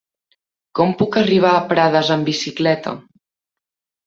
Com puc arribar a Prades amb bicicleta?